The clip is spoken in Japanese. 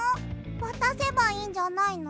わたせばいいんじゃないの？